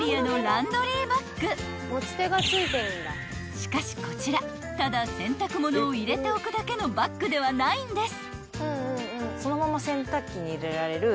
［しかしこちらただ洗濯物を入れておくだけのバッグではないんです］